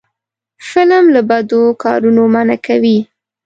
فلم له بدو کارونو منع کوي